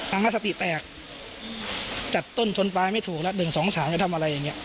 อ้างว่าสติแตกจัดต้นชนปลายไม่ถูกแล้ว๑๒๓จะทำอะไรอย่างเงี้